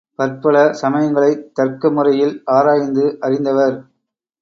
பற்பல சமயங்களைத் தர்க்க முறையில் ஆராய்ந்து அறிந்தவர்.